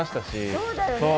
そうだよね。